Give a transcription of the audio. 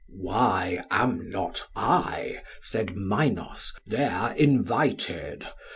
Why am not I, said Minos, there invited?